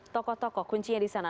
tokoh tokoh kuncinya di sana